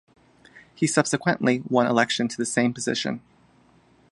He subsequently won election to the same position.